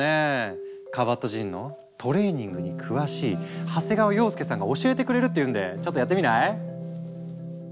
カバットジンのトレーニングに詳しい長谷川洋介さんが教えてくれるって言うんでちょっとやってみない？